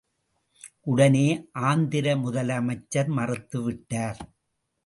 உடனே ஆந்திர முதலமைச்சர் மறுத்து விட்டார்.